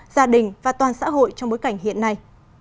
gia đình và toàn xã hội trong bối cảnh hiện nay